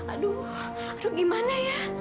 aduh gimana ya